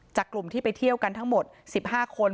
จากกลุ่มที่ไปเที่ยวกันทั้งหมด๑๕คน